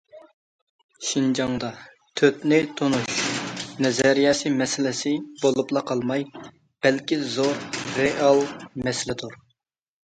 شىنجاڭدا‹‹ تۆتنى تونۇش›› نەزەرىيە مەسىلىسى بولۇپلا قالماي، بەلكى زور رېئال مەسىلىدۇر.